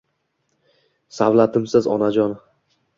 Savlatimsiz Onajon